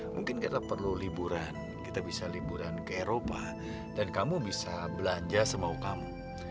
mungkin kita perlu liburan kita bisa liburan ke eropa dan kamu bisa belanja semau kamu